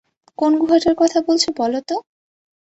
কোন গুহাটার কথা বলছো বলো তো?